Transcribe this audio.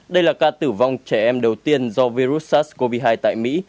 đây là ca tử vong trẻ em đầu tiên do virus sars cov hai tại mỹ